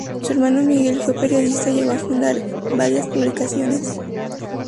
Su hermano Miguel fue periodista y llegó a fundar varias publicaciones.